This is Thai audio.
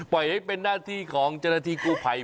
ปล่อยให้เป็นหน้าที่ของเจ้าหน้าที่กู้ภัย